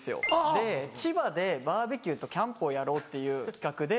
で千葉でバーベキューとキャンプをやろうっていう企画で。